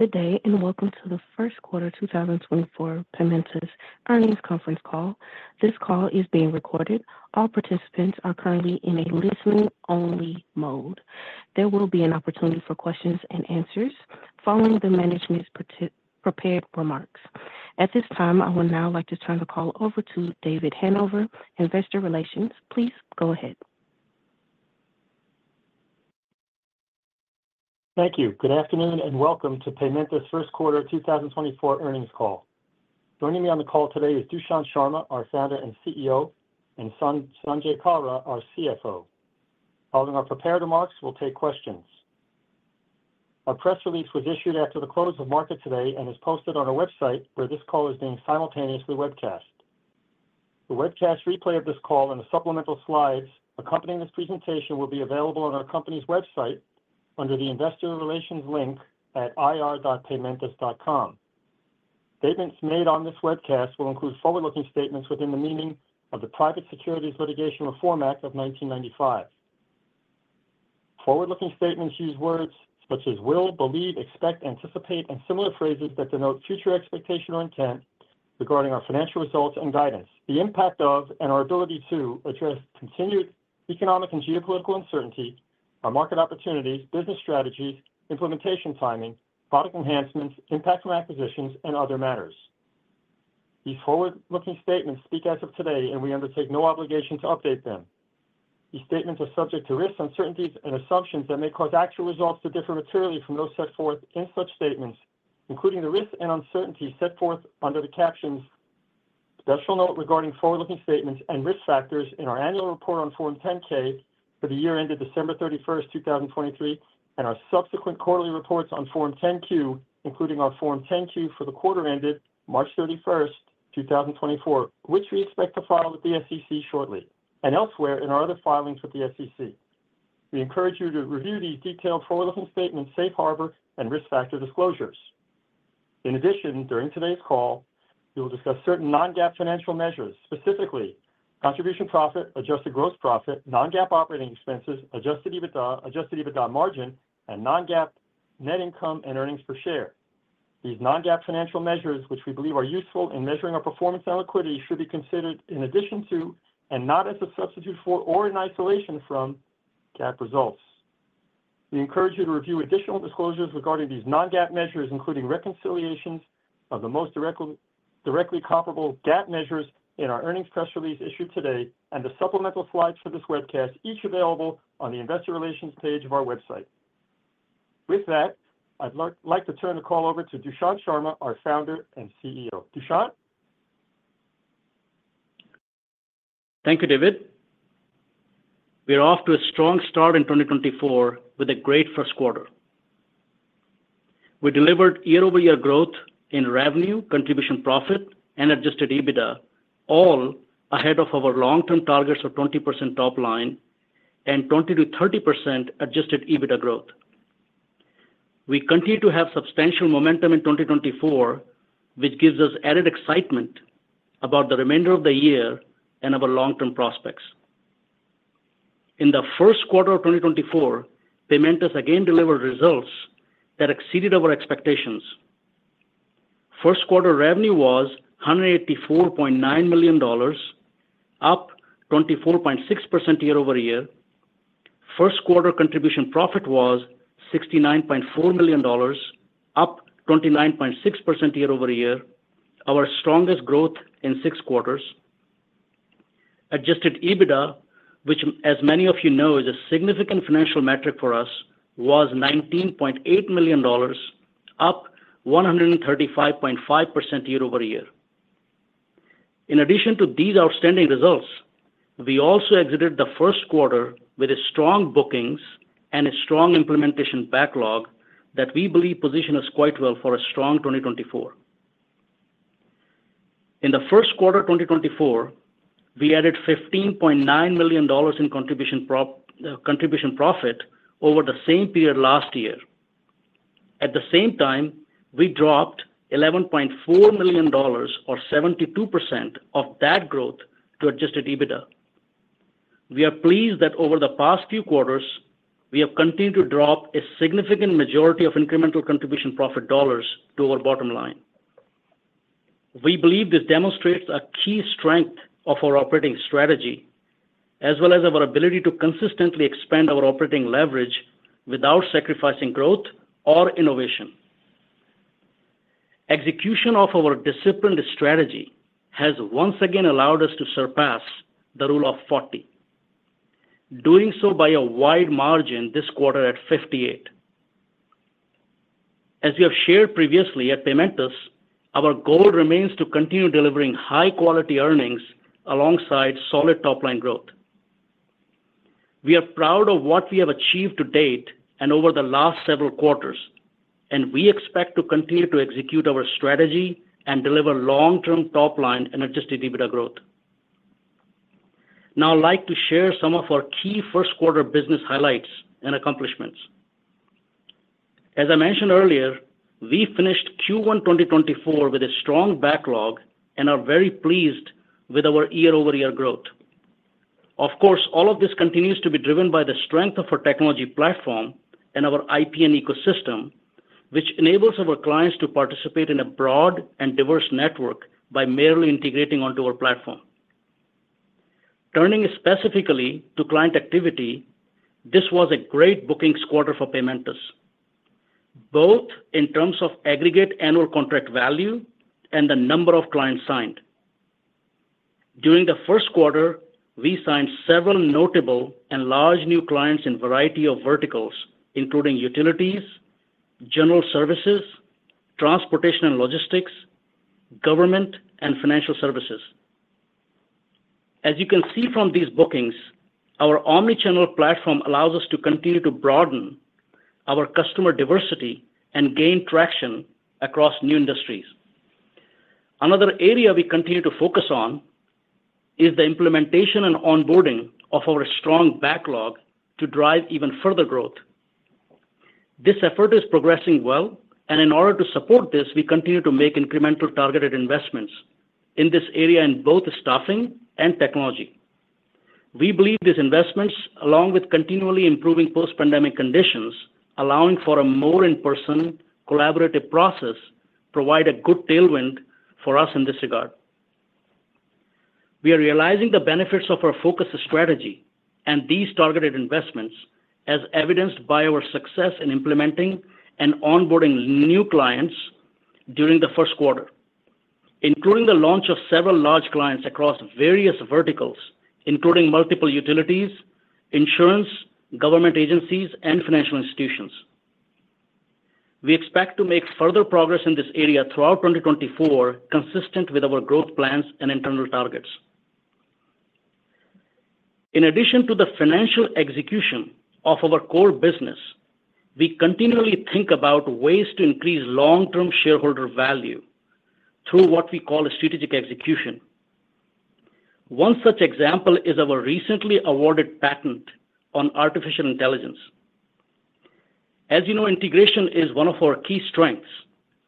Good day, and welcome to the First Quarter 2024 Paymentus Earnings Conference Call. This call is being recorded. All participants are currently in a listen-only mode. There will be an opportunity for questions and answers following the management's prepared remarks. At this time, I would now like to turn the call over to David Hanover, Investor Relations. Please go ahead. Thank you. Good afternoon, and welcome to Paymentus's First Quarter 2024 Earnings Call. Joining me on the call today is Dushyant Sharma, our founder and CEO; and Sanjay Kalra, our CFO. Following our prepared remarks, we'll take questions. Our press release was issued after the close of market today and is posted on our website, where this call is being simultaneously webcast. The webcast replay of this call and the supplemental slides accompanying this presentation will be available on our company's website under the Investor Relations link at ir.paymentus.com. Statements made on this webcast will include forward-looking statements within the meaning of the Private Securities Litigation Reform Act of 1995. Forward-looking statements use words such as will, believe, expect, anticipate, and similar phrases that denote future expectation or intent regarding our financial results and guidance, the impact of and our ability to address continued economic and geopolitical uncertainty, our market opportunities, business strategies, implementation timing, product enhancements, impact from acquisitions, and other matters. These forward-looking statements speak as of today, and we undertake no obligation to update them. These statements are subject to risks, uncertainties, and assumptions that may cause actual results to differ materially from those set forth in such statements, including the risks and uncertainties set forth under the captions: Special Note Regarding Forward-Looking Statements and Risk Factors in our annual report on Form 10-K for the year ended December 31st, 2023, and our subsequent quarterly reports on Form 10-Q, including our Form 10-Q for the quarter ended March 31st, 2024, which we expect to file with the SEC shortly, and elsewhere in our other filings with the SEC. We encourage you to review these detailed forward-looking statements, safe harbor, and risk factor disclosures. In addition, during today's call, we will discuss certain non-GAAP financial measures, specifically contribution profit, adjusted gross profit, non-GAAP operating expenses, adjusted EBITDA, adjusted EBITDA margin, and non-GAAP net income and earnings per share. These non-GAAP financial measures, which we believe are useful in measuring our performance and liquidity, should be considered in addition to, and not as a substitute for or in isolation from, GAAP results. We encourage you to review additional disclosures regarding these non-GAAP measures, including reconciliations of the most directly comparable GAAP measures in our earnings press release issued today and the supplemental slides for this webcast, each available on the Investor Relations page of our website. With that, I'd like to turn the call over to Dushyant Sharma, our founder and CEO. Dushyant? Thank you, David. We are off to a strong start in 2024 with a great first quarter. We delivered year-over-year growth in revenue, contribution profit, and adjusted EBITDA, all ahead of our long-term targets of 20% top line and 20%-30% adjusted EBITDA growth. We continue to have substantial momentum in 2024, which gives us added excitement about the remainder of the year and our long-term prospects. In the first quarter of 2024, Paymentus again delivered results that exceeded our expectations. First quarter revenue was $184.9 million, up 24.6% year-over-year. First quarter contribution profit was $69.4 million, up 29.6% year-over-year, our strongest growth in six quarters. Adjusted EBITDA, which as many of you know, is a significant financial metric for us, was $19.8 million, up 135.5% year-over-year. In addition to these outstanding results, we also exited the first quarter with a strong bookings and a strong implementation backlog that we believe position us quite well for a strong 2024. In the first quarter of 2024, we added $15.9 million in contribution profit over the same period last year. At the same time, we dropped $11.4 million, or 72% of that growth, to adjusted EBITDA. We are pleased that over the past few quarters, we have continued to drop a significant majority of incremental contribution profit dollars to our bottom line. We believe this demonstrates a key strength of our operating strategy, as well as our ability to consistently expand our operating leverage without sacrificing growth or innovation. Execution of our disciplined strategy has once again allowed us to surpass the Rule of 40, doing so by a wide margin this quarter at 58. As we have shared previously, at Paymentus, our goal remains to continue delivering high quality earnings alongside solid top-line growth. We are proud of what we have achieved to date and over the last several quarters, and we expect to continue to execute our strategy and deliver long-term top-line and Adjusted EBITDA growth. Now I'd like to share some of our key first quarter business highlights and accomplishments. As I mentioned earlier, we finished Q1 2024 with a strong backlog and are very pleased with our year-over-year growth. Of course, all of this continues to be driven by the strength of our technology platform and our IPN ecosystem, which enables our clients to participate in a broad and diverse network by merely integrating onto our platform. Turning specifically to client activity, this was a great bookings quarter for Paymentus, both in terms of aggregate annual contract value and the number of clients signed. During the first quarter, we signed several notable and large new clients in a variety of verticals, including utilities, general services, transportation and logistics, government, and financial services. As you can see from these bookings, our omni-channel platform allows us to continue to broaden our customer diversity and gain traction across new industries. Another area we continue to focus on is the implementation and onboarding of our strong backlog to drive even further growth. This effort is progressing well, and in order to support this, we continue to make incremental targeted investments in this area in both staffing and technology. We believe these investments, along with continually improving post-pandemic conditions, allowing for a more in-person collaborative process, provide a good tailwind for us in this regard. We are realizing the benefits of our focused strategy and these targeted investments, as evidenced by our success in implementing and onboarding new clients during the first quarter, including the launch of several large clients across various verticals, including multiple utilities, insurance, government agencies, and financial institutions. We expect to make further progress in this area throughout 2024, consistent with our growth plans and internal targets. In addition to the financial execution of our core business, we continually think about ways to increase long-term shareholder value through what we call a strategic execution. One such example is our recently awarded patent on artificial intelligence. As you know, integration is one of our key strengths,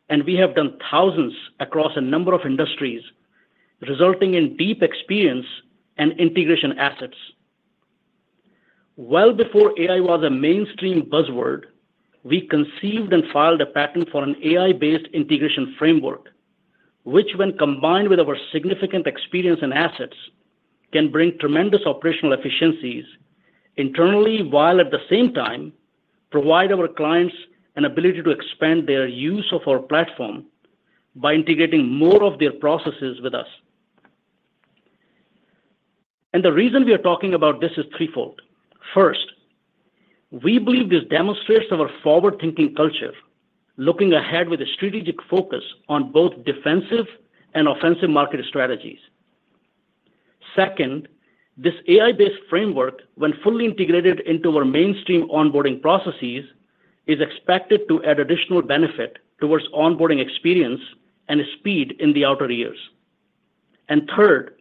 and we have done thousands across a number of industries, resulting in deep experience and integration assets. Well before AI was a mainstream buzzword, we conceived and filed a patent for an AI-based integration framework, which, when combined with our significant experience and assets, can bring tremendous operational efficiencies internally, while at the same time provide our clients an ability to expand their use of our platform by integrating more of their processes with us. The reason we are talking about this is threefold. First, we believe this demonstrates our forward-thinking culture, looking ahead with a strategic focus on both defensive and offensive market strategies. Second, this AI-based framework, when fully integrated into our mainstream onboarding processes, is expected to add additional benefit toward onboarding experience and speed in the outer years. And third,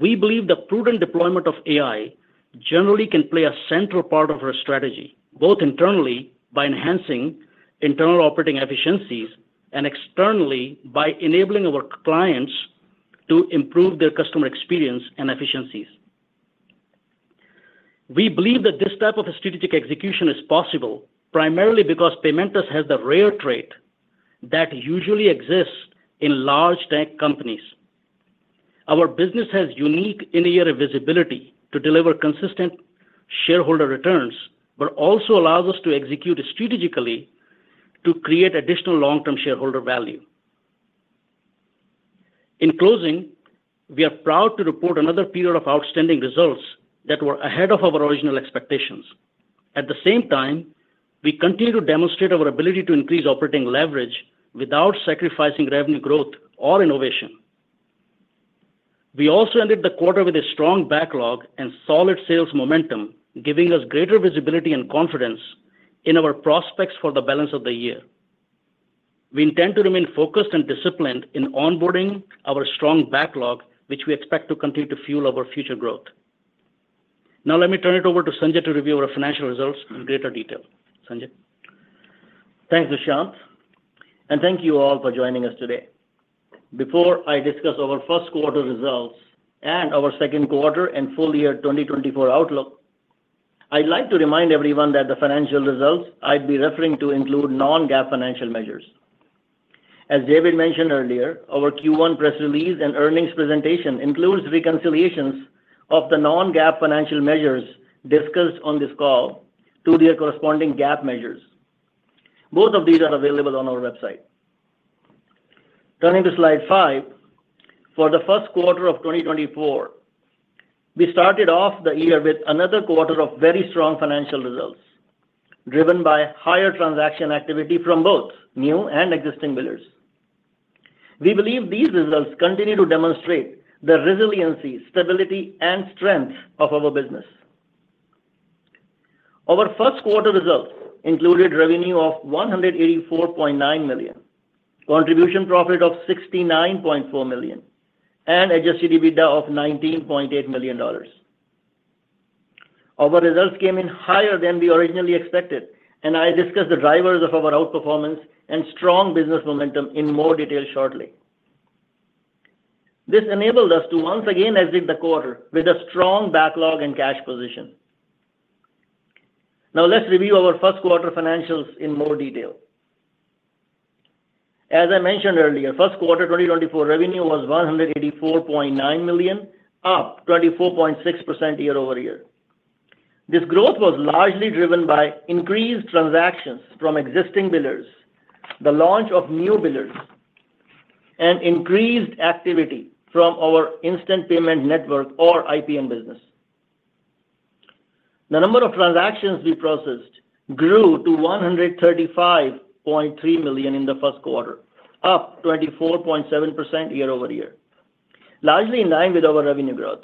we believe the prudent deployment of AI generally can play a central part of our strategy, both internally by enhancing internal operating efficiencies and externally by enabling our clients to improve their customer experience and efficiencies. We believe that this type of strategic execution is possible primarily because Paymentus has the rare trait that usually exists in large tech companies. Our business has unique N-year visibility to deliver consistent shareholder returns, but also allows us to execute strategically to create additional long-term shareholder value. In closing, we are proud to report another period of outstanding results that were ahead of our original expectations. At the same time, we continue to demonstrate our ability to increase operating leverage without sacrificing revenue growth or innovation. We also ended the quarter with a strong backlog and solid sales momentum, giving us greater visibility and confidence in our prospects for the balance of the year. We intend to remain focused and disciplined in onboarding our strong backlog, which we expect to continue to fuel our future growth. Now, let me turn it over to Sanjay to review our financial results in greater detail. Sanjay? Thanks, Dushyant, and thank you all for joining us today. Before I discuss our first quarter results and our second quarter and full year 2024 outlook, I'd like to remind everyone that the financial results I'd be referring to include non-GAAP financial measures. As David mentioned earlier, our Q1 press release and earnings presentation includes reconciliations of the non-GAAP financial measures discussed on this call to their corresponding GAAP measures. Both of these are available on our website. Turning to slide five. For the first quarter of 2024, we started off the year with another quarter of very strong financial results, driven by higher transaction activity from both new and existing billers. We believe these results continue to demonstrate the resiliency, stability, and strength of our business. Our first quarter results included revenue of $184.9 million, contribution profit of $69.4 million, and adjusted EBITDA of $19.8 million. Our results came in higher than we originally expected, and I discussed the drivers of our outperformance and strong business momentum in more detail shortly. This enabled us to once again exit the quarter with a strong backlog and cash position. Now let's review our first quarter financials in more detail. As I mentioned earlier, first quarter 2024 revenue was $184.9 million, up 24.6% year-over-year. This growth was largely driven by increased transactions from existing billers, the launch of new billers, and increased activity from our Instant Payment Network or IPN business. The number of transactions we processed grew to 135.3 million in the first quarter, up 24.7% year-over-year, largely in line with our revenue growth.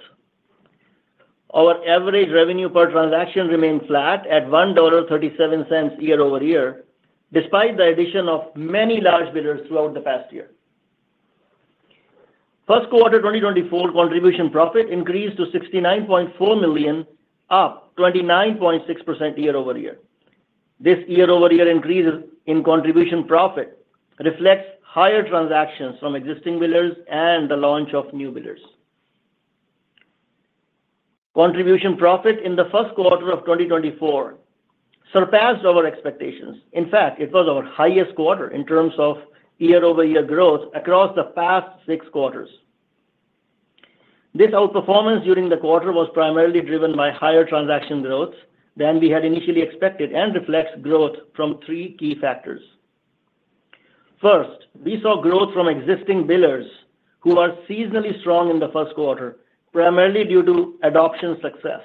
Our average revenue per transaction remained flat at $1.37 year-over-year, despite the addition of many large billers throughout the past year. First quarter 2024 contribution profit increased to $69.4 million, up 29.6% year-over-year. This year-over-year increase in contribution profit reflects higher transactions from existing billers and the launch of new billers. Contribution profit in the first quarter of 2024 surpassed our expectations. In fact, it was our highest quarter in terms of year-over-year growth across the past six quarters. This outperformance during the quarter was primarily driven by higher transaction growth than we had initially expected and reflects growth from three key factors. First, we saw growth from existing billers who are seasonally strong in the first quarter, primarily due to adoption success.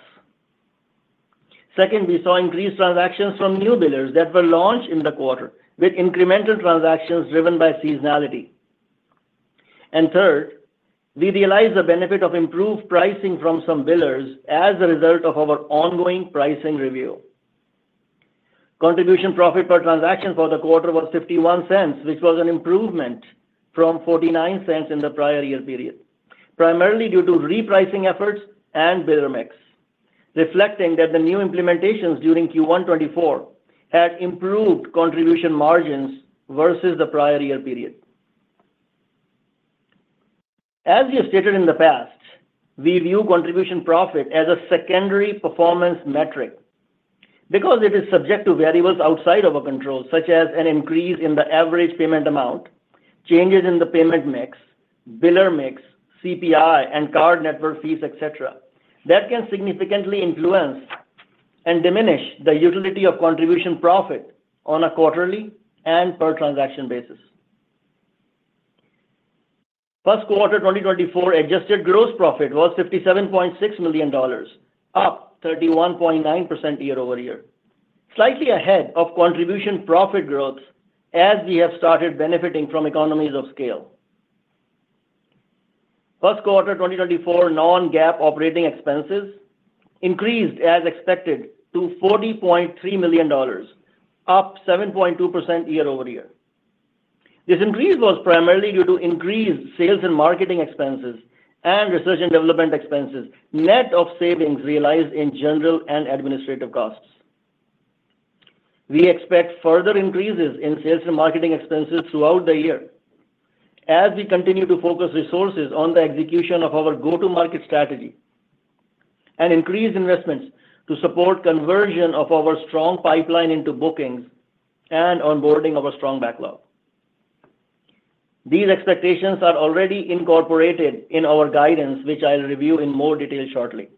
Second, we saw increased transactions from new billers that were launched in the quarter, with incremental transactions driven by seasonality. And third, we realized the benefit of improved pricing from some billers as a result of our ongoing pricing review. Contribution profit per transaction for the quarter was $0.51, which was an improvement from $0.49 in the prior year period, primarily due to repricing efforts and biller mix, reflecting that the new implementations during Q1 2024 had improved contribution margins versus the prior year period. As we have stated in the past, we view contribution profit as a secondary performance metric because it is subject to variables outside of our control, such as an increase in the average payment amount, changes in the payment mix, biller mix, CPI, and card network fees, et cetera, that can significantly influence and diminish the utility of contribution profit on a quarterly and per transaction basis. First quarter 2024 adjusted gross profit was $57.6 million, up 31.9% year-over-year, slightly ahead of contribution profit growth as we have started benefiting from economies of scale. First quarter 2024 non-GAAP operating expenses increased, as expected, to $40.3 million, up 7.2% year-over-year. This increase was primarily due to increased sales and marketing expenses and research and development expenses, net of savings realized in general and administrative costs. We expect further increases in sales and marketing expenses throughout the year as we continue to focus resources on the execution of our go-to-market strategy and increase investments to support conversion of our strong pipeline into bookings and onboarding of our strong backlog. These expectations are already incorporated in our guidance, which I'll review in more detail shortly.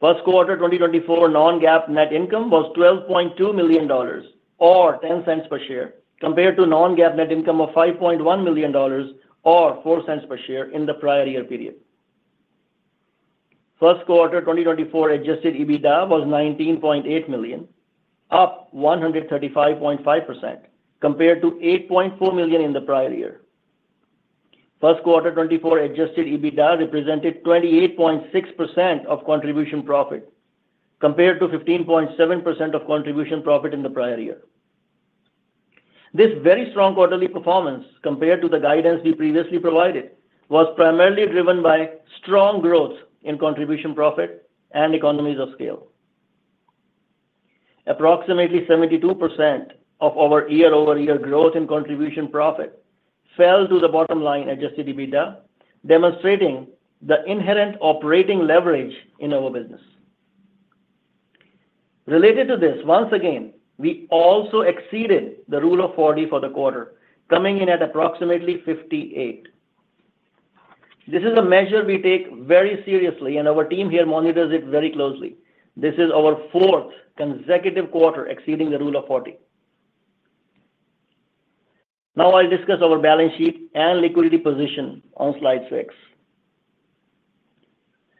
First quarter 2024 non-GAAP net income was $12.2 million, or $0.10 per share, compared to non-GAAP net income of $5.1 million, or $0.04 per share in the prior year period. First quarter 2024 Adjusted EBITDA was $19.8 million, up 135.5%, compared to $8.4 million in the prior year. First quarter 2024 Adjusted EBITDA represented 28.6% of contribution profit, compared to 15.7% of contribution profit in the prior year. This very strong quarterly performance, compared to the guidance we previously provided, was primarily driven by strong growth in contribution profit, and economies of scale. Approximately 72% of our year-over-year growth in contribution profit fell to the bottom line, Adjusted EBITDA, demonstrating the inherent operating leverage in our business. Related to this, once again, we also exceeded the Rule of 40 for the quarter, coming in at approximately 58. This is a measure we take very seriously, and our team here monitors it very closely. This is our fourth consecutive quarter exceeding the Rule of 40. Now I'll discuss our balance sheet and liquidity position on slide six.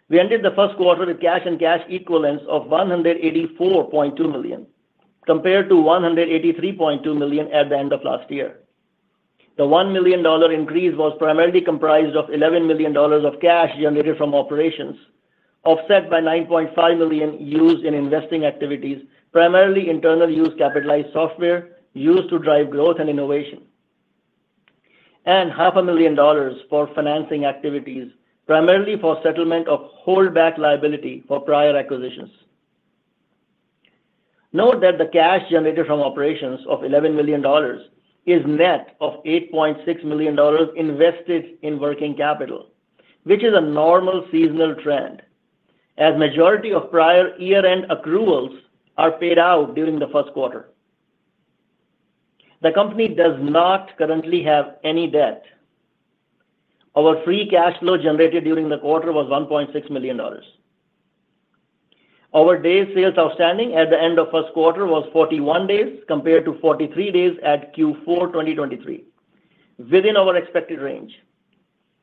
We ended the first quarter with cash and cash equivalents of $184.2 million, compared to $183.2 million at the end of last year. The $1 million increase was primarily comprised of $11 million of cash generated from operations, offset by $9.5 million used in investing activities, primarily internal use capitalized software used to drive growth and innovation and $0.5 million for financing activities, primarily for settlement of holdback liability for prior acquisitions. Note that the cash generated from operations of $11 million is net of $8.6 million invested in working capital, which is a normal seasonal trend, as majority of prior year-end accruals are paid out during the first quarter. The company does not currently have any debt. Our free cash flow generated during the quarter was $1.6 million. Our Days Sales Outstanding at the end of first quarter was 41 days, compared to 43 days at Q4 2023, within our expected range.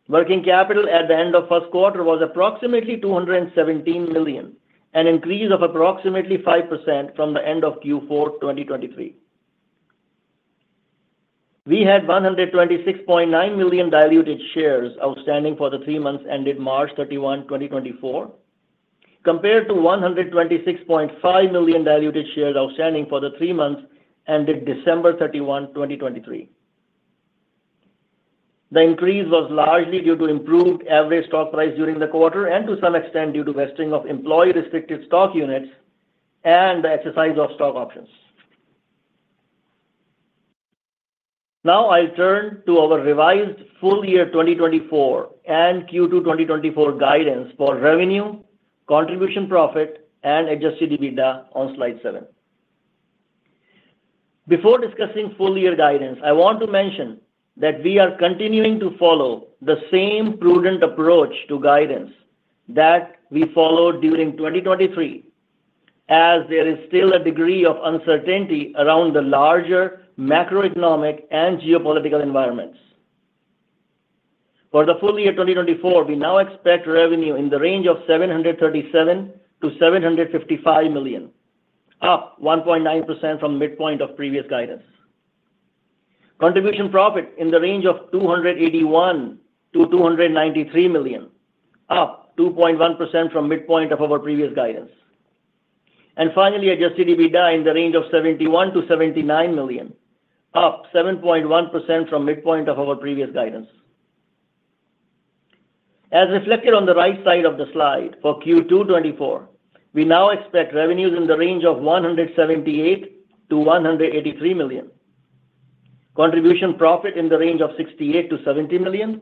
Working capital at the end of first quarter was approximately $217 million, an increase of approximately 5% from the end of Q4 2023. We had 126.9 million diluted shares outstanding for the three months ended March 31, 2024, compared to 126.5 million diluted shares outstanding for the three months ended December 31, 2023. The increase was largely due to improved average stock price during the quarter, and to some extent, due to vesting of employee restricted stock units and the exercise of stock options. Now I turn to our revised full year 2024 and Q2 2024 guidance for revenue, Contribution Profit, and Adjusted EBITDA on slide seven. Before discussing full year guidance, I want to mention that we are continuing to follow the same prudent approach to guidance that we followed during 2023, as there is still a degree of uncertainty around the larger macroeconomic and geopolitical environments. For the full year 2024, we now expect revenue in the range of $737 million-$755 million, up 1.9% from midpoint of previous guidance. Contribution Profit in the range of $281 million-$293 million, up 2.1% from midpoint of our previous guidance. And finally, Adjusted EBITDA in the range of $71 million-$79 million, up 7.1% from midpoint of our previous guidance. As reflected on the right side of the slide, for Q2 2024, we now expect revenues in the range of $178 million-$183 million. Contribution Profit in the range of $68 million-$70 million,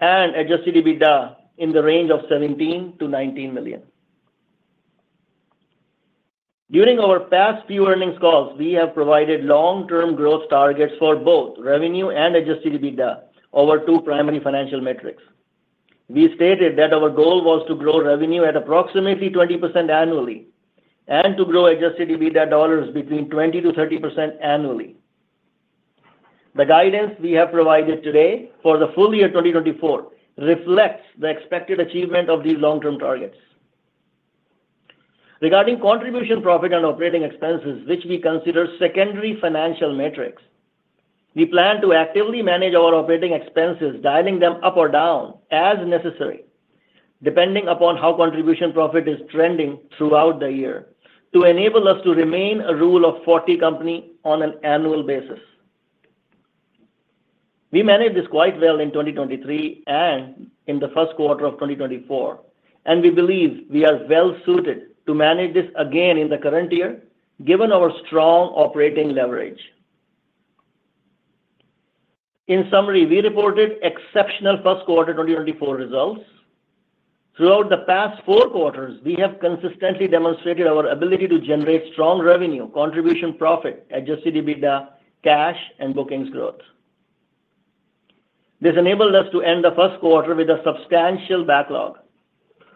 and Adjusted EBITDA in the range of $17 million-$19 million. During our past few earnings calls, we have provided long-term growth targets for both revenue and Adjusted EBITDA, our two primary financial metrics. We stated that our goal was to grow revenue at approximately 20% annually, and to grow Adjusted EBITDA dollars between 20%-30% annually. The guidance we have provided today for the full year 2024 reflects the expected achievement of these long-term targets. Regarding Contribution Profit, and operating expenses, which we consider secondary financial metrics, we plan to actively manage our operating expenses, dialing them up or down as necessary, depending upon how Contribution Profit is trending throughout the year, to enable us to remain a Rule of 40 company on an annual basis. We managed this quite well in 2023 and in the first quarter of 2024, and we believe we are well-suited to manage this again in the current year, given our strong operating leverage. In summary, we reported exceptional first quarter 2024 results. Throughout the past four quarters, we have consistently demonstrated our ability to generate strong revenue, contribution profit, adjusted EBITDA, cash, and bookings growth. This enabled us to end the first quarter with a substantial backlog.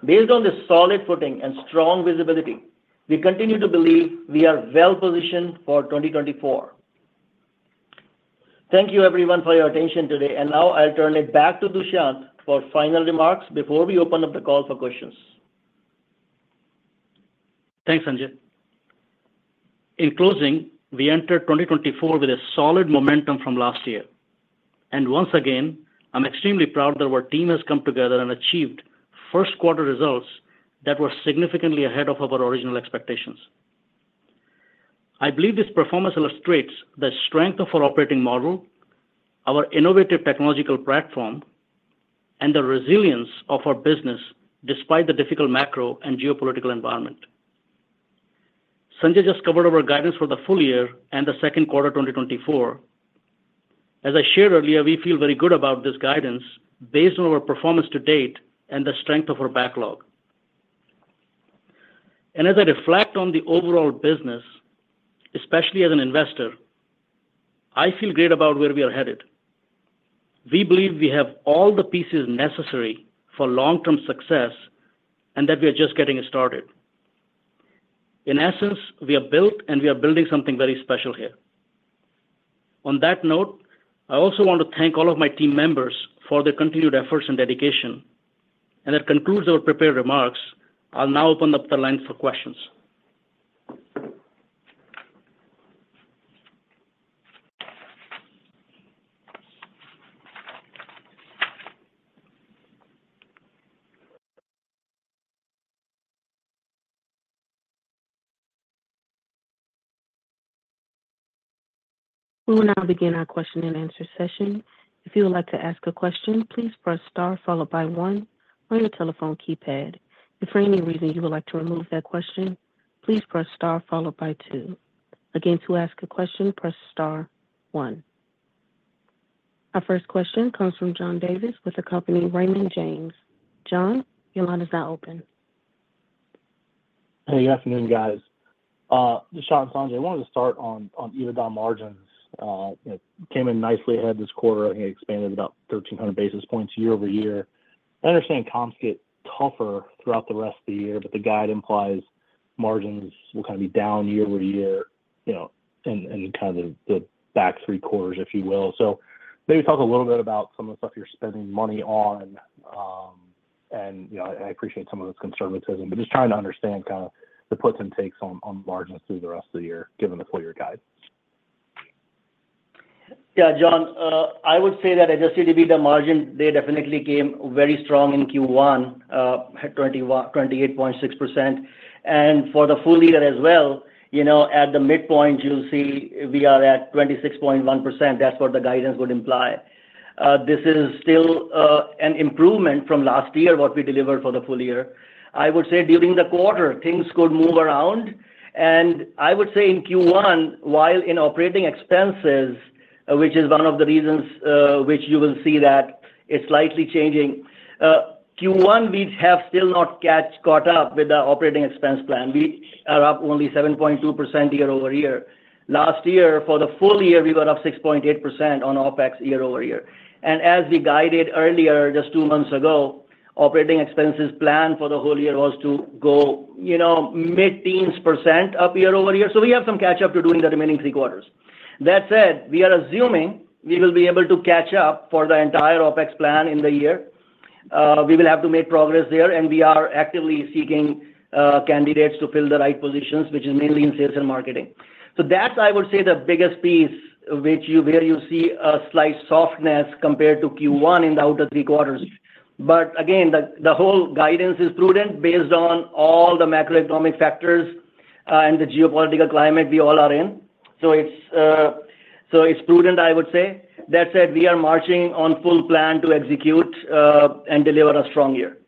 Based on this solid footing and strong visibility, we continue to believe we are well-positioned for 2024. Thank you everyone for your attention today, and now I'll turn it back to Dushyant for final remarks before we open up the call for questions. Thanks, Sanjay. In closing, we entered 2024 with a solid momentum from last year. Once again, I'm extremely proud that our team has come together and achieved first quarter results that were significantly ahead of our original expectations. I believe this performance illustrates the strength of our operating model, our innovative technological platform, and the resilience of our business, despite the difficult macro and geopolitical environment. Sanjay just covered our guidance for the full year and the second quarter, 2024. As I shared earlier, we feel very good about this guidance based on our performance to date and the strength of our backlog. As I reflect on the overall business, especially as an investor, I feel great about where we are headed. We believe we have all the pieces necessary for long-term success and that we are just getting it started. In essence, we have built and we are building something very special here. On that note, I also want to thank all of my team members for their continued efforts and dedication. That concludes our prepared remarks. I'll now open up the lines for questions. We will now begin our question and answer session. If you would like to ask a question, please press star followed by one on your telephone keypad. If for any reason you would like to remove that question, please press star followed by two. Again, to ask a question, press star one. Our first question comes from John Davis with the company Raymond James. John, your line is now open. Hey, good afternoon, guys. Dushyant, Sanjay, I wanted to start on EBITDA margins. It came in nicely ahead this quarter, I think expanded about 1,300 basis points year-over-year. I understand comps get tougher throughout the rest of the year, but the guide implies margins will kind of be down year-over-year, you know, in kind of the back three quarters, if you will. So maybe talk a little bit about some of the stuff you're spending money on. And, you know, I appreciate some of those conservatism, but just trying to understand kinda the puts and takes on margins through the rest of the year, given the full year guide. Yeah, John, I would say that Adjusted EBITDA margin definitely came very strong in Q1 at 28.6%. And for the full year as well, you know, at the midpoint, you'll see we are at 26.1%. That's what the guidance would imply. This is still an improvement from last year, what we delivered for the full year. I would say during the quarter, things could move around, and I would say in Q1, while in operating expenses, which is one of the reasons, which you will see that it's slightly changing. Q1, we have still not caught up with the operating expense plan. We are up only 7.2% year-over-year. Last year, for the full year, we were up 6.8% on OpEx year-over-year. As we guided earlier, just two months ago, operating expenses plan for the whole year was to go, you know, mid-teens% up year-over-year. So we have some catch-up to do in the remaining three quarters. That said, we are assuming we will be able to catch up for the entire OpEx plan in the year. We will have to make progress there, and we are actively seeking candidates to fill the right positions, which is mainly in sales and marketing. So that's, I would say, the biggest piece which you—where you see a slight softness compared to Q1 in the outer three quarters. But again, the, the whole guidance is prudent, based on all the macroeconomic factors, and the geopolitical climate we all are in. So it's, so it's prudent, I would say. That said, we are marching on full plan to execute, and deliver a strong year.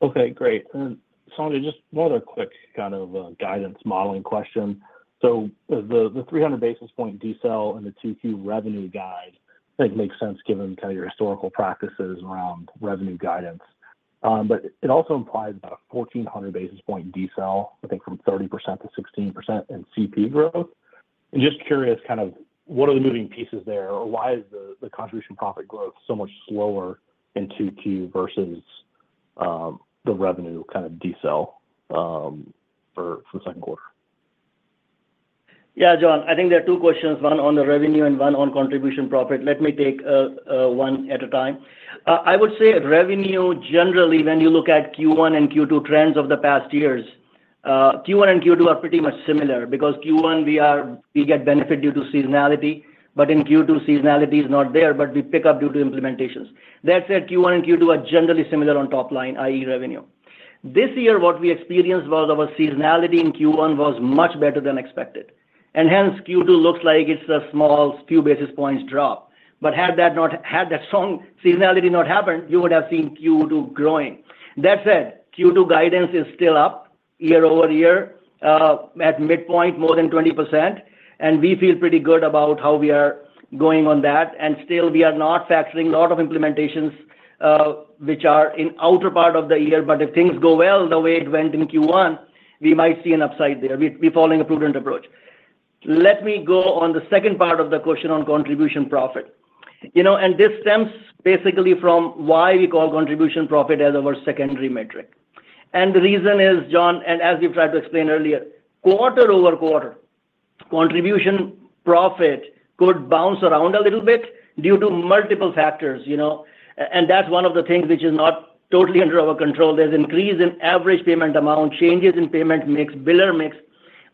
Okay, great. And Sanjay, just one other quick kind of guidance modeling question. So the three hundred basis point decel and the Q2 revenue guide, I think, makes sense given kind of your historical practices around revenue guidance. But it also implies about a 1,400 basis point decel, I think, from 30%-16% in CP growth. And just curious, kind of what are the moving pieces there, or why is the contribution profit growth so much slower in Q2 versus the revenue kind of decel for the second quarter? Yeah, John, I think there are two questions, one on the revenue and one on contribution profit. Let me take one at a time. I would say revenue, generally, when you look at Q1 and Q2 trends of the past years, Q1 and Q2 are pretty much similar, because Q1 we get benefit due to seasonality, but in Q2, seasonality is not there, but we pick up due to implementations. That said, Q1 and Q2 are generally similar on top line, i.e., revenue. This year, what we experienced was our seasonality in Q1 was much better than expected, and hence, Q2 looks like it's a small few basis points drop. But had that strong seasonality not happened, you would have seen Q2 growing. That said, Q2 guidance is still up year-over-year, at midpoint more than 20%, and we feel pretty good about how we are going on that. And still, we are not factoring a lot of implementations, which are in outer part of the year, but if things go well, the way it went in Q1, we might see an upside there. We're following a prudent approach. Let me go on the second part of the question on contribution profit. You know, and this stems basically from why we call contribution profit as our secondary metric. And the reason is, John, and as we've tried to explain earlier, quarter-over-quarter, contribution profit could bounce around a little bit due to multiple factors, you know, and that's one of the things which is not totally under our control. There's increase in average payment amount, changes in payment mix, biller mix,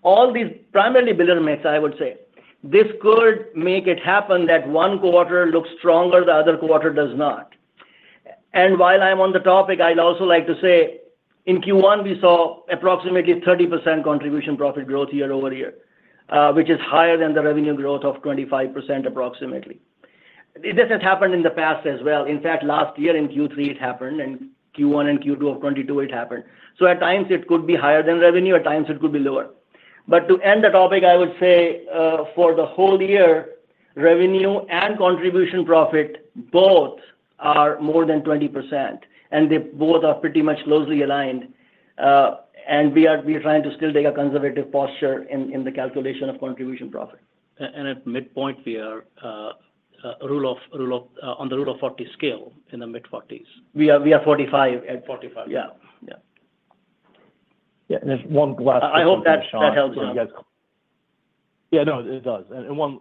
all these... Primarily biller mix, I would say. This could make it happen that one quarter looks stronger, the other quarter does not. And while I'm on the topic, I'd also like to say in Q1, we saw approximately 30% contribution profit growth year-over-year, which is higher than the revenue growth of 25%, approximately. This has happened in the past as well. In fact, last year in Q3, it happened, and Q1 and Q2 of 2022, it happened. So at times it could be higher than revenue, at times it could be lower. But to end the topic, I would say, for the whole year, revenue and contribution profit both are more than 20%, and they both are pretty much closely aligned, and we are trying to still take a conservative posture in the calculation of contribution profit. At midpoint, we are on the Rule of 40 scale in the mid-40s. We are 45. At 45. Yeah. Yeah. Yeah, and there's one last- I hope that helps you guys. Yeah, no, it does. And one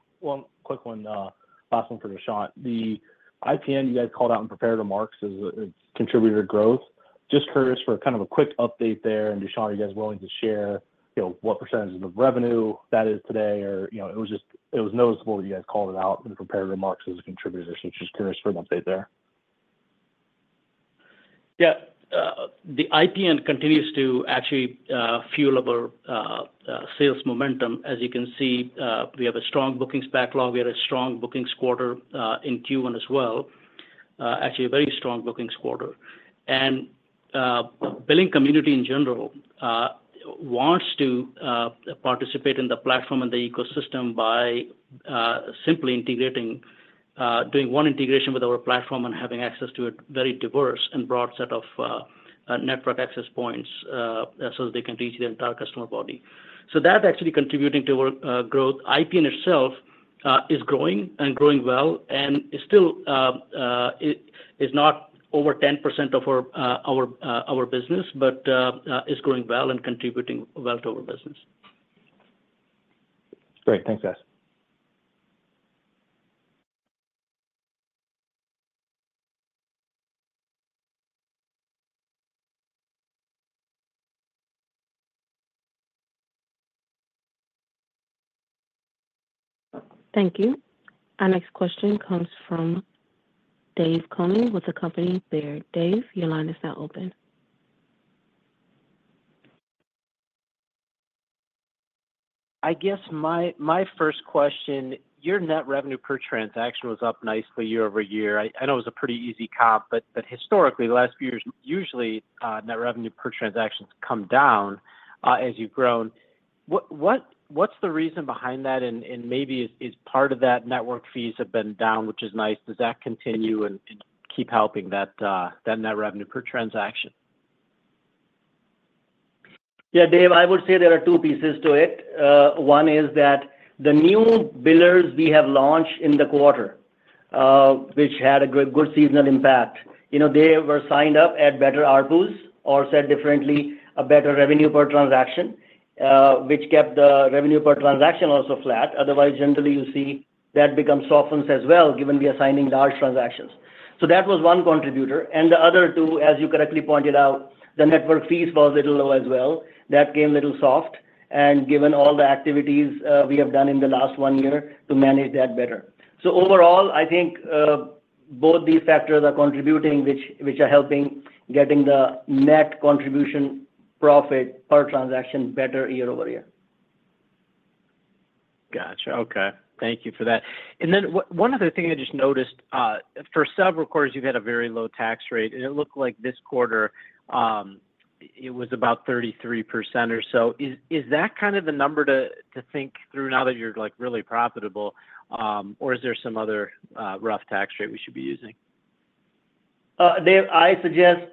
quick one, last one for Dushyant. The IPN you guys called out in prepared remarks is contributor growth. Just curious for kind of a quick update there, and Dushyant, are you guys willing to share, you know, what percentage of the revenue that is today or... You know, it was just—it was noticeable that you guys called it out in prepared remarks as a contributor, so just curious for an update there? Yeah, the IPN continues to actually fuel our sales momentum. As you can see, we have a strong bookings backlog. We had a strong bookings quarter in Q1 as well. Actually a very strong bookings quarter. And, billing community in general wants to participate in the platform and the ecosystem by simply integrating, doing one integration with our platform and having access to a very diverse and broad set of network access points, so they can reach the entire customer body. So that's actually contributing to our growth. IPN itself is growing and growing well, and is still, it is not over 10% of our business, but is growing well and contributing well to our business. Great. Thanks, guys. Thank you. Our next question comes from Dave Koning with the company Baird. Dave, your line is now open. I guess my first question, your net revenue per transaction was up nicely year-over-year. I know it was a pretty easy comp, but historically, the last few years, usually, net revenue per transactions come down, as you've grown. What's the reason behind that? And maybe is part of that network fees have been down, which is nice. Does that continue and keep helping that net revenue per transaction? Yeah, Dave, I would say there are two pieces to it. One is that the new billers we have launched in the quarter, which had a good seasonal impact, you know, they were signed up at better ARPUs, or said differently, a better revenue per transaction, which kept the revenue per transaction also flat. Otherwise, generally, you see that becomes softened as well, given we are signing large transactions. So that was one contributor. And the other two, as you correctly pointed out, the network fees was a little low as well. That came a little soft, and given all the activities we have done in the last one year to manage that better. So overall, I think both these factors are contributing, which are helping getting the net contribution profit per transaction better year-over-year. Gotcha. Okay. Thank you for that. And then one other thing I just noticed, for several quarters, you've had a very low tax rate, and it looked like this quarter, it was about 33% or so. Is that kind of the number to think through now that you're, like, really profitable, or is there some other rough tax rate we should be using? Dave, I suggest,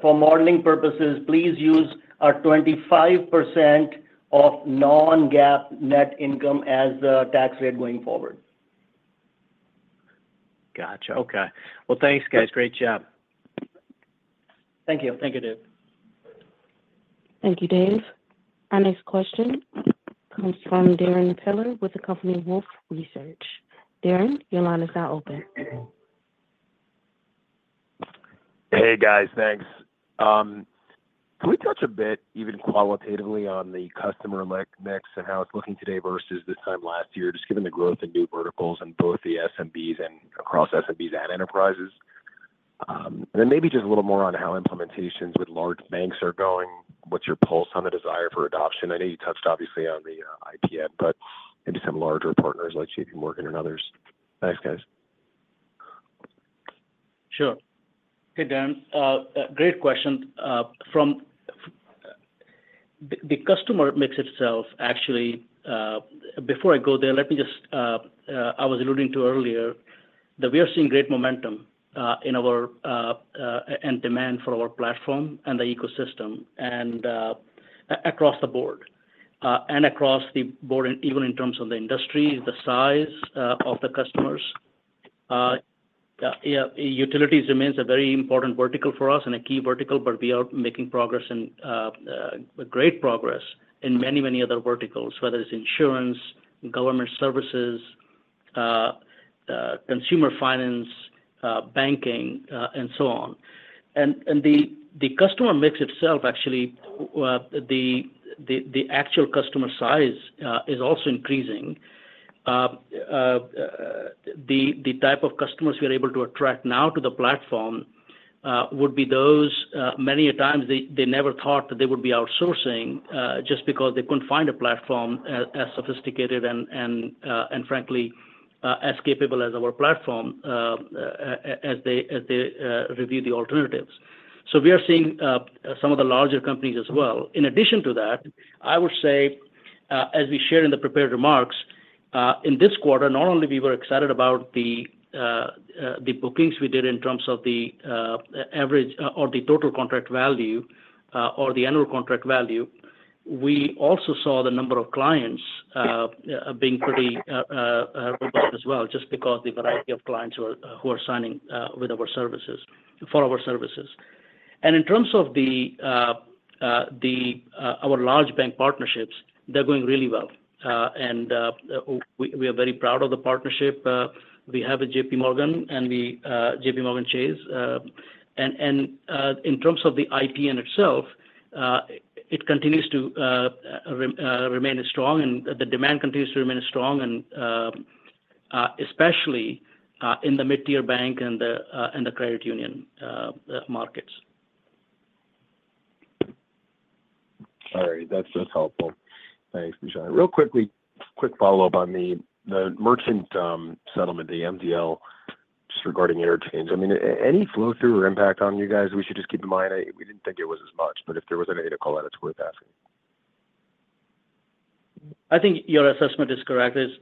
for modeling purposes, please use our 25% of non-GAAP net income as the tax rate going forward. Gotcha. Okay. Well, thanks, guys. Great job. Thank you. Thank you, Dave. Thank you, Dave. Our next question comes from Darrin Peller with the company Wolfe Research. Darrin, your line is now open. Hey, guys, thanks. Can we touch a bit, even qualitatively, on the customer mix and how it's looking today versus this time last year, just given the growth in new verticals and both the SMBs and across SMBs and enterprises? And then maybe just a little more on how implementations with large banks are going. What's your pulse on the desire for adoption? I know you touched, obviously, on the IPN, but maybe some larger partners like JPMorgan and others. Thanks, guys. Sure. Hey, Darren, great question. The customer mix itself, actually, before I go there, let me just—I was alluding to earlier, that we are seeing great momentum in our and demand for our platform and the ecosystem, and across the board and across the board, and even in terms of the industry, the size of the customers. Yeah, utilities remains a very important vertical for us and a key vertical, but we are making progress and great progress in many, many other verticals, whether it's insurance, government services, consumer finance, banking, and so on. And the customer mix itself, actually, the actual customer size is also increasing. The type of customers we are able to attract now to the platform would be those, many a times they never thought that they would be outsourcing, just because they couldn't find a platform as sophisticated and frankly as capable as our platform as they review the alternatives. So we are seeing some of the larger companies as well. In addition to that, I would say, as we shared in the prepared remarks, in this quarter, not only we were excited about the bookings we did in terms of the average or the total contract value, or the annual contract value, we also saw the number of clients being pretty robust as well, just because the variety of clients who are signing with our services—for our services. And in terms of our large bank partnerships, they're going really well. And we are very proud of the partnership. We have a JPMorgan, and we JPMorgan Chase. And in terms of the IPN itself, it continues to remain strong, and the demand continues to remain strong. Especially in the mid-tier bank and the credit union markets. All right, that's helpful. Thanks, Dushyant. Really quickly, quick follow-up on the merchant settlement, the MDL, just regarding interchange. I mean, any flow-through or impact on you guys we should just keep in mind? We didn't think it was as much, but if there was any to call out, it's worth asking. I think your assessment is correct. There's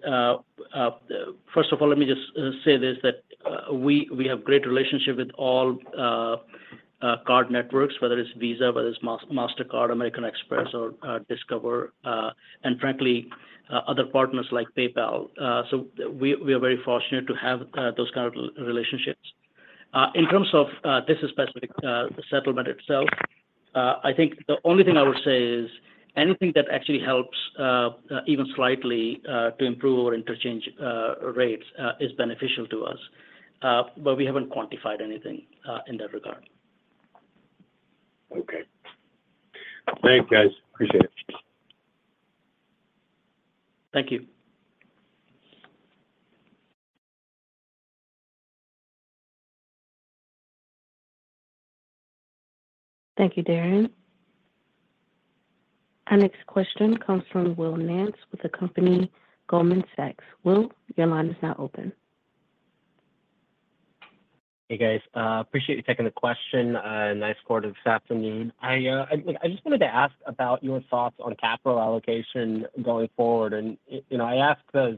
first of all, let me just say this, that we have great relationship with all card networks, whether it's Visa, whether it's Mastercard, American Express, or Discover, and frankly other partners like PayPal. So we are very fortunate to have those kind of relationships. In terms of this specific settlement itself, I think the only thing I would say is anything that actually helps even slightly to improve our interchange rates is beneficial to us, but we haven't quantified anything in that regard. Okay. Thanks, guys. Appreciate it. Thank you. Thank you, Darrin. Our next question comes from Will Nance with the company Goldman Sachs. Will, your line is now open. Hey, guys. Appreciate you taking the question. Nice quarter this afternoon. I just wanted to ask about your thoughts on capital allocation going forward. You know, I ask 'cause,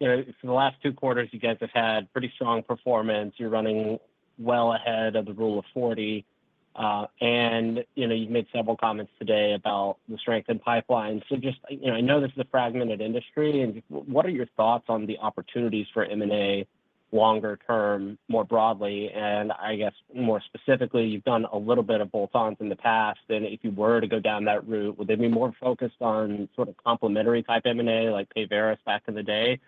you know, for the last two quarters, you guys have had pretty strong performance. You're running well ahead of the Rule of 40, and, you know, you've made several comments today about the strength in pipeline. So just, you know, I know this is a fragmented industry, and what are your thoughts on the opportunities for M&A longer term, more broadly? I guess, more specifically, you've done a little bit of bolt-ons in the past, and if you were to go down that route, would they be more focused on sort of complementary type M&A, like Payveris back in the day,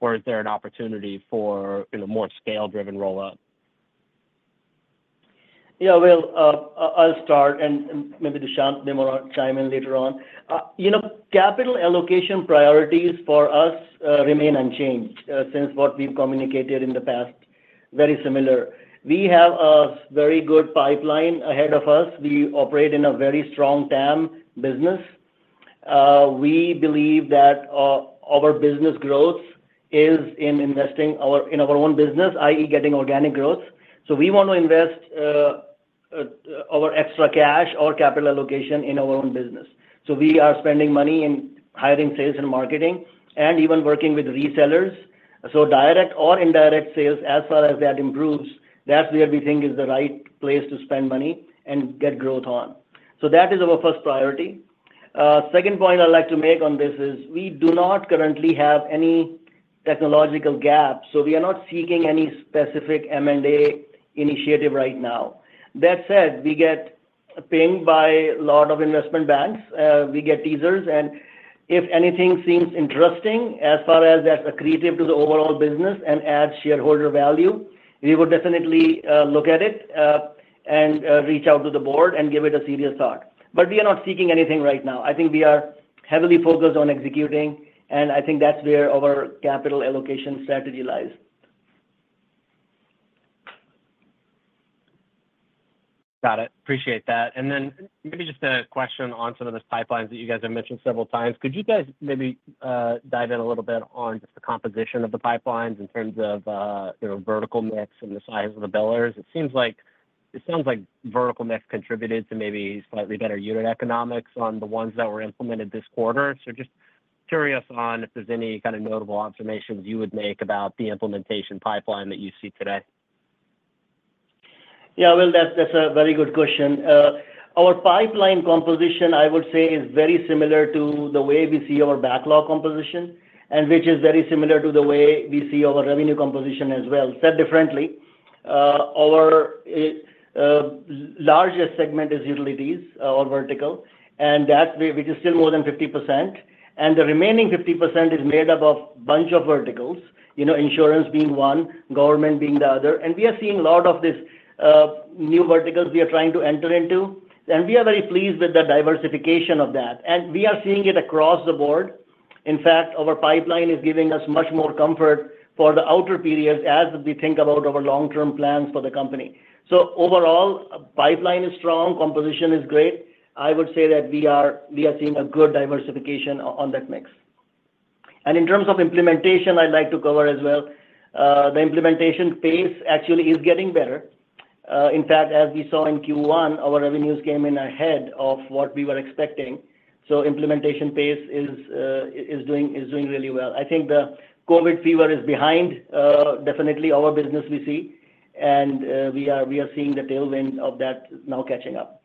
or is there an opportunity for, you know, more scale-driven rollout? Yeah, Will, I'll start, and maybe Dushyant may want to chime in later on. You know, capital allocation priorities for us remain unchanged since what we've communicated in the past, very similar. We have a very good pipeline ahead of us. We operate in a very strong TAM business. We believe that our business growth is in investing in our own business, i.e., getting organic growth. So we want to invest our extra cash or capital allocation in our own business. So we are spending money in hiring, sales, and marketing, and even working with resellers. So direct or indirect sales, as far as that improves, that's where we think is the right place to spend money and get growth on. So that is our first priority. Second point I'd like to make on this is, we do not currently have any technological gap, so we are not seeking any specific M&A initiative right now. That said, we get pinged by a lot of investment banks. We get teasers, and if anything seems interesting, as far as that's accretive to the overall business and adds shareholder value, we would definitely look at it, and reach out to the board and give it a serious thought. But we are not seeking anything right now. I think we are heavily focused on executing, and I think that's where our capital allocation strategy lies. Got it. Appreciate that. And then maybe just a question on some of those pipelines that you guys have mentioned several times. Could you guys maybe dive in a little bit on just the composition of the pipelines in terms of, you know, vertical mix and the size of the billers? It seems like. It sounds like vertical mix contributed to maybe slightly better unit economics on the ones that were implemented this quarter. So just curious on if there's any kind of notable observations you would make about the implementation pipeline that you see today. Yeah, Will, that's, that's a very good question. Our pipeline composition, I would say, is very similar to the way we see our backlog composition, and which is very similar to the way we see our revenue composition as well. Said differently, our largest segment is utilities or vertical, and that's where—which is still more than 50%, and the remaining 50% is made up of bunch of verticals, you know, insurance being one, government being the other. And we are seeing a lot of these new verticals we are trying to enter into, and we are very pleased with the diversification of that. And we are seeing it across the board. In fact, our pipeline is giving us much more comfort for the outer periods as we think about our long-term plans for the company. So overall, pipeline is strong, composition is great. I would say that we are seeing a good diversification on that mix. And in terms of implementation, I'd like to cover as well. The implementation pace actually is getting better. In fact, as we saw in Q1, our revenues came in ahead of what we were expecting, so implementation pace is doing really well. I think the COVID fever is behind definitely our business we see, and we are seeing the tailwind of that now catching up.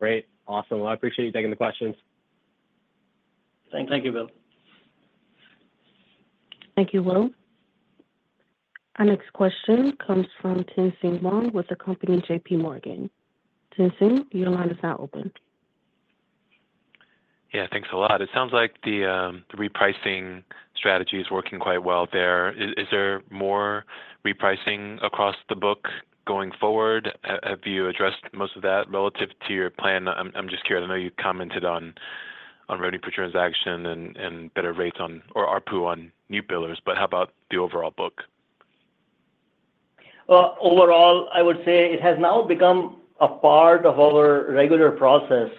Great. Awesome. Well, I appreciate you taking the questions. Thank you, Will. Thank you, Will. Our next question comes from Tien-tsin Huang with the company JPMorgan. Tien-tsin, your line is now open. Yeah, thanks a lot. It sounds like the, the repricing strategy is working quite well there. Is there more repricing across the book going forward? Have you addressed most of that relative to your plan? I'm just curious. I know you commented on ready for transaction and better rates on or ARPU on new billers, but how about the overall book? Well, overall, I would say it has now become a part of our regular process.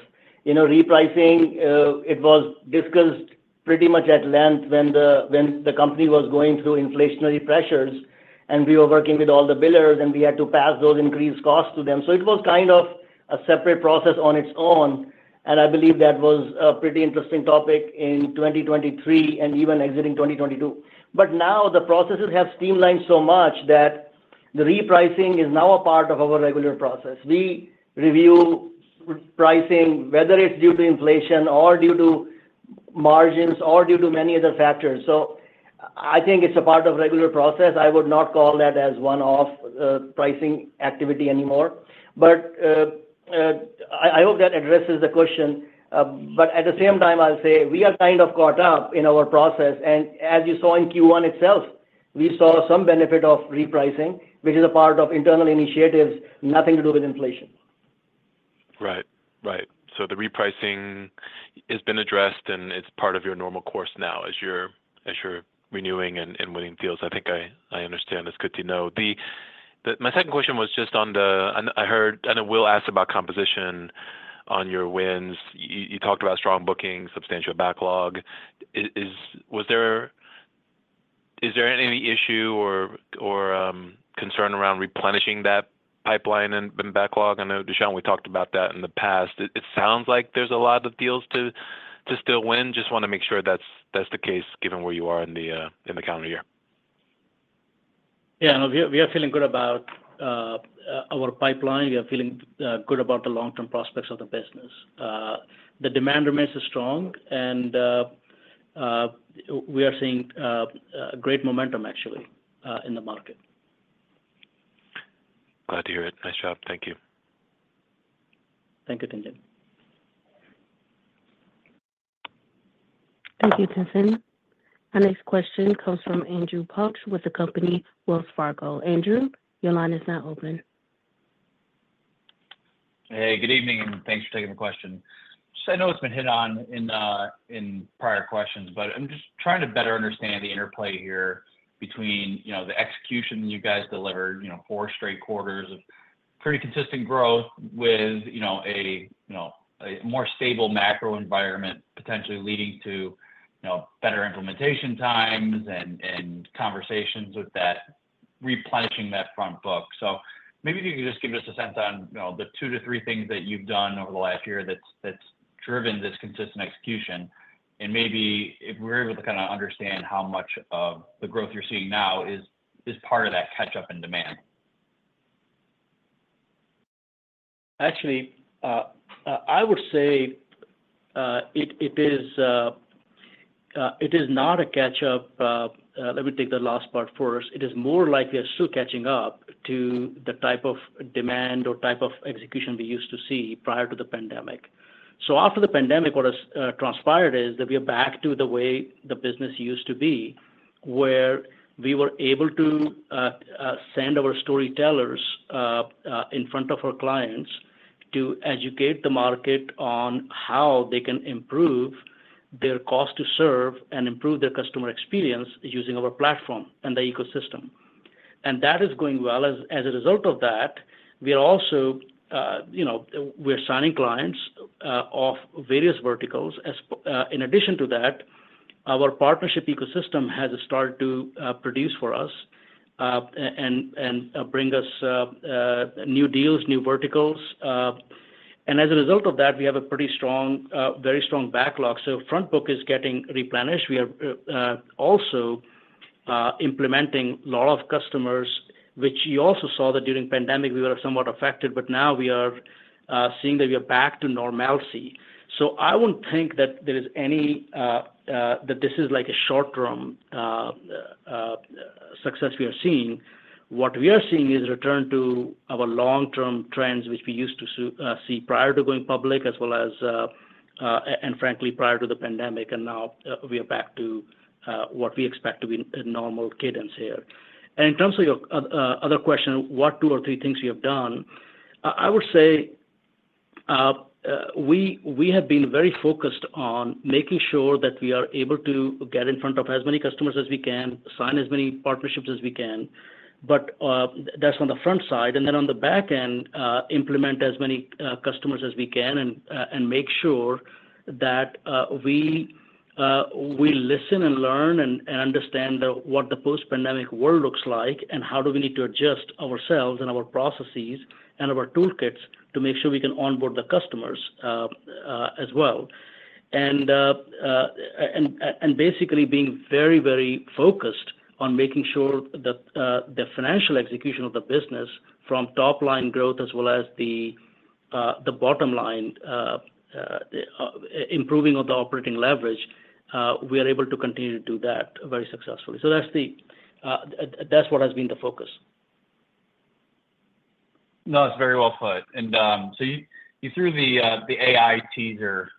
You know, repricing, it was discussed pretty much at length when the, when the company was going through inflationary pressures, and we were working with all the billers, and we had to pass those increased costs to them. So it was kind of a separate process on its own, and I believe that was a pretty interesting topic in 2023 and even exiting 2022. But now the processes have streamlined so much that the repricing is now a part of our regular process. We review pricing, whether it's due to inflation or due to margins or due to many other factors. So I think it's a part of regular process. I would not call that as one-off, pricing activity anymore. But, I hope that addresses the question. But at the same time, I'll say we are kind of caught up in our process, and as you saw in Q1 itself, we saw some benefit of repricing, which is a part of internal initiatives, nothing to do with inflation. Right. Right. So the repricing has been addressed, and it's part of your normal course now as you're renewing and winning deals. I think I understand. It's good to know. My second question was just on the... I heard, I know Will asked about composition on your wins. You talked about strong booking, substantial backlog. Is there any issue or concern around replenishing that pipeline and backlog? I know, Dushyant, we talked about that in the past. It sounds like there's a lot of deals to still win. Just wanna make sure that's the case, given where you are in the calendar year. Yeah, no, we are feeling good about our pipeline. We are feeling good about the long-term prospects of the business. The demand remains strong, and we are seeing great momentum actually in the market. Glad to hear it. Nice job. Thank you. Thank you, Tien-tsin. Thank you, Tien-tsin. Our next question comes from Andrew Bauch with the company Wells Fargo. Andrew, your line is now open. Hey, good evening, and thanks for taking the question. So I know it's been hit on in the, in prior questions, but I'm just trying to better understand the interplay here between, you know, the execution you guys delivered, you know, four straight quarters of pretty consistent growth with, you know, a, you know, a more stable macro environment, potentially leading to, you know, better implementation times and, and conversations with that, replenishing that front book. So maybe if you could just give us a sense on, you know, the two to three things that you've done over the last year that's, that's driven this consistent execution, and maybe if we're able to kinda understand how much of the growth you're seeing now is, is part of that catch-up in demand. Actually, I would say, it is not a catch-up. Let me take the last part first. It is more likely we're still catching up to the type of demand or type of execution we used to see prior to the pandemic. So after the pandemic, what has transpired is that we are back to the way the business used to be, where we were able to send our storytellers in front of our clients to educate the market on how they can improve their cost to serve and improve their customer experience using our platform and the ecosystem. And that is going well. As a result of that, we are also, you know, we're signing clients off various verticals. In addition to that, our partnership ecosystem has started to produce for us, and bring us new deals, new verticals. And as a result of that, we have a pretty strong, very strong backlog. So front book is getting replenished. We are also implementing a lot of customers, which you also saw that during pandemic we were somewhat affected, but now we are seeing that we are back to normalcy. So I wouldn't think that there is any that this is like a short-term success we are seeing. What we are seeing is a return to our long-term trends, which we used to see prior to going public, as well as, and frankly, prior to the pandemic, and now we are back to what we expect to be a normal cadence here. And in terms of your other other question, what two or three things you have done? I would say, we have been very focused on making sure that we are able to get in front of as many customers as we can, sign as many partnerships as we can, but that's on the front side, and then on the back end, implement as many customers as we can, and make sure that we listen and learn and understand what the post-pandemic world looks like and how do we need to adjust ourselves and our processes and our toolkits to make sure we can onboard the customers, as well. And basically being very, very focused on making sure that the financial execution of the business from top-line growth as well as the bottom line improving of the operating leverage, we are able to continue to do that very successfully. So that's what has been the focus. No, it's very well put. And, so you, you threw the, the AI teaser,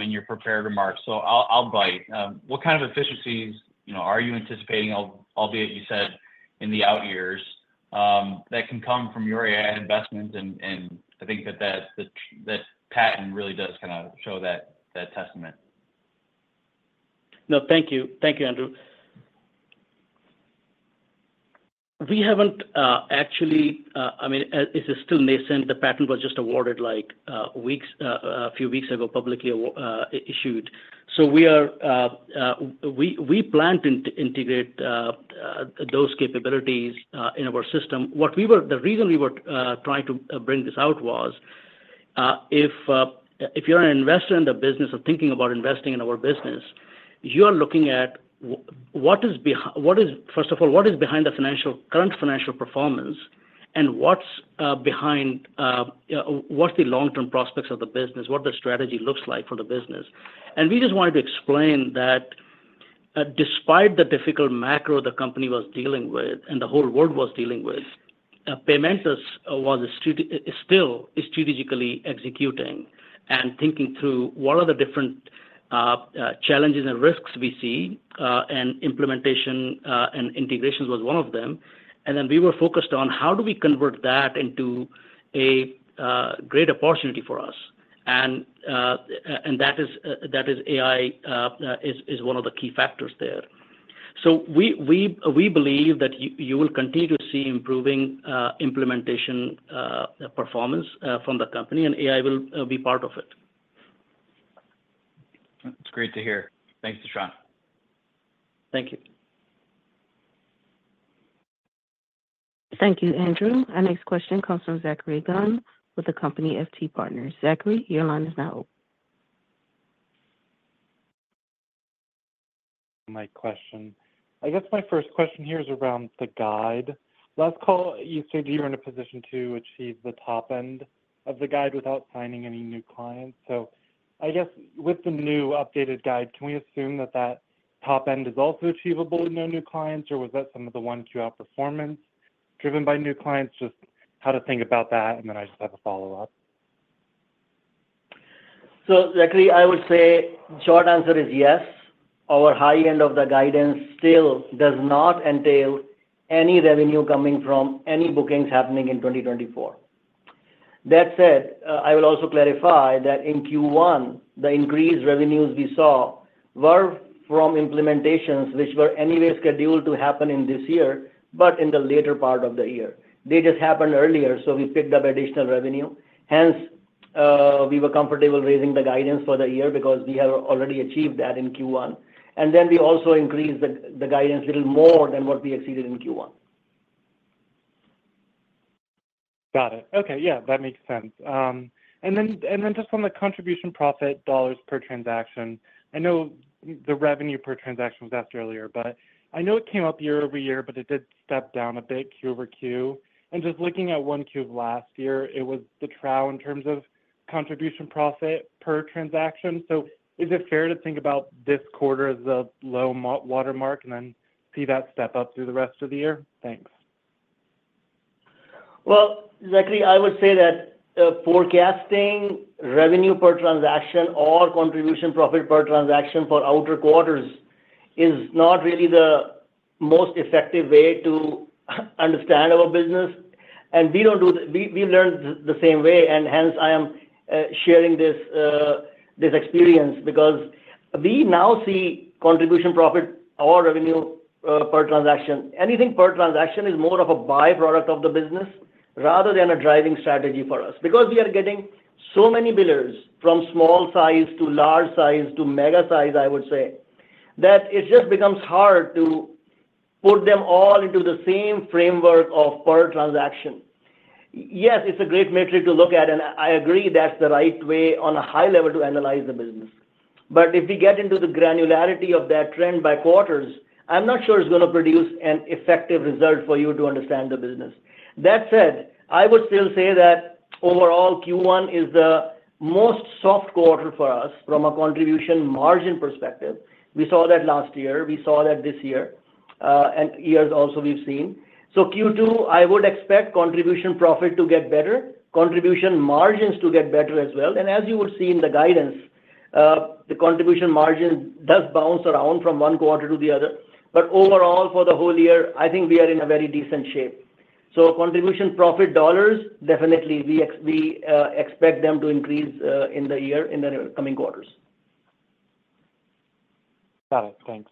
in your prepared remarks, so I'll, I'll bite. What kind of efficiencies, you know, are you anticipating, albeit you said in the out years, that can come from your AI investments? And, I think that this patent really does kinda show that testament. No, thank you. Thank you, Andrew. We haven't, actually, I mean, this is still nascent. The patent was just awarded, like, a few weeks ago, publicly, issued. So we are, we plan to integrate those capabilities in our system. What we were-- The reason we were trying to bring this out was, if you're an investor in the business or thinking about investing in our business, you're looking at what is behind what is... First of all, what is behind the current financial performance, and what's behind what's the long-term prospects of the business? What the strategy looks like for the business. And we just wanted to explain that, despite the difficult macro the company was dealing with, and the whole world was dealing with, Paymentus was still strategically executing and thinking through what are the different challenges and risks we see, and implementation and integrations was one of them. And then we were focused on how do we convert that into a great opportunity for us? And that is, that is AI, is one of the key factors there. So we believe that you will continue to see improving implementation performance from the company, and AI will be part of it. That's great to hear. Thanks, Dushyant. Thank you. Thank you, Andrew. Our next question comes from Zachary Gunn with the company FT Partners. Zachary, your line is now open. My question. I guess my first question here is around the guide. Last call, you said you were in a position to achieve the top end of the guide without signing any new clients. So I guess with the new updated guide, can we assume that that top end is also achievable with no new clients, or was that some of the 1Q outperformance driven by new clients? Just how to think about that, and then I just have a follow-up. So Zachary, I would say short answer is yes. Our high end of the guidance still does not entail any revenue coming from any bookings happening in 2024. That said, I will also clarify that in Q1, the increased revenues we saw were from implementations which were anyway scheduled to happen in this year, but in the later part of the year. They just happened earlier, so we picked up additional revenue. Hence, we were comfortable raising the guidance for the year because we have already achieved that in Q1. And then we also increased the, the guidance a little more than what we exceeded in Q1. Got it. Okay. Yeah, that makes sense. And then, and then just on the Contribution Profit dollars per transaction, I know the revenue per transaction was asked earlier, but I know it came up year-over-year, but it did step down a bit Q over Q. And just looking at 1Q of last year, it was the high in terms of Contribution Profit per transaction. So is it fair to think about this quarter as a low watermark and then see that step up through the rest of the year? Thanks. Well, Zachary, I would say that forecasting revenue per transaction or contribution profit per transaction for outer quarters is not really the most effective way to understand our business, and we don't do—we learned the same way, and hence I am sharing this experience. Because we now see contribution profit or revenue per transaction. Anything per transaction is more of a by-product of the business rather than a driving strategy for us. Because we are getting so many billers, from small size to large size to mega size, I would say, that it just becomes hard to put them all into the same framework of per transaction. Yes, it's a great metric to look at, and I agree that's the right way on a high level to analyze the business. But if we get into the granularity of that trend by quarters, I'm not sure it's gonna produce an effective result for you to understand the business. That said, I would still say that overall, Q1 is the most soft quarter for us from a contribution margin perspective. We saw that last year, we saw that this year, and years also we've seen. So Q2, I would expect contribution profit to get better, contribution margins to get better as well. And as you would see in the guidance, the contribution margin does bounce around from one quarter to the other. But overall, for the whole year, I think we are in a very decent shape. So contribution profit dollars, definitely, we expect them to increase, in the year, in the coming quarters. Got it. Thanks.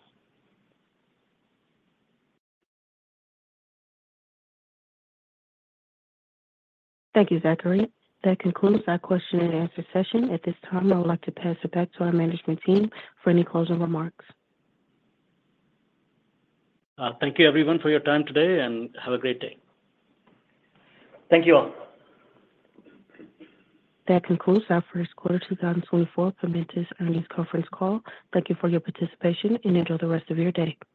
Thank you, Zachary. That concludes our question and answer session. At this time, I would like to pass it back to our management team for any closing remarks. Thank you, everyone, for your time today, and have a great day. Thank you, all. That concludes our first quarter, 2024 Paymentus earnings conference call. Thank you for your participation, and enjoy the rest of your day.